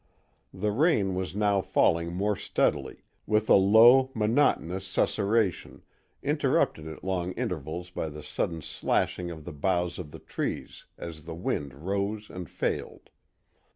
The rain was now falling more steadily, with a low, monotonous susurration, interrupted at long intervals by the sudden slashing of the boughs of the trees as the wind rose and failed.